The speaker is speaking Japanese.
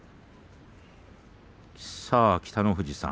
さあ北の富士さん